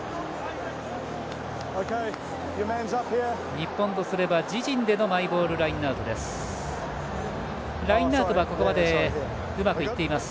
日本とすれば、自陣でのマイボールラインアウトです。